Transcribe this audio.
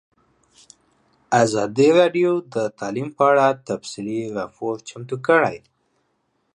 ازادي راډیو د تعلیم په اړه تفصیلي راپور چمتو کړی.